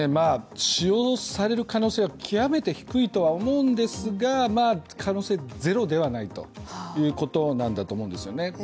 使用される可能性は極めて低いとは思うんですが可能性はゼロではないということなんだと思うんですよね。